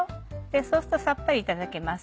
そうするとさっぱりいただけます。